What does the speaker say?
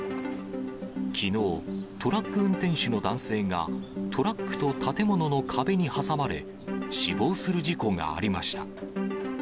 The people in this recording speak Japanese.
きのう、トラック運転手の男性がトラックと建物の壁に挟まれ、死亡する事故がありました。